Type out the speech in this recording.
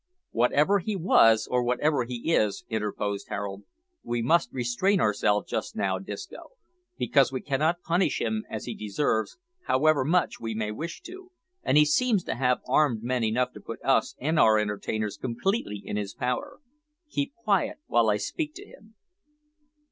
"Whatever he was, or whatever he is," interposed Harold, "we must restrain ourselves just now, Disco, because we cannot punish him as he deserves, however much we may wish to, and he seems to have armed men enough to put us and our entertainers completely in his power. Keep quiet while I speak to him."